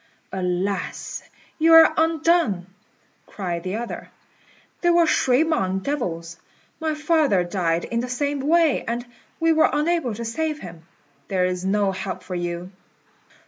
"Alas! you are undone," cried the other; "they were shui mang devils. My father died in the same way, and we were unable to save him. There is no help for you."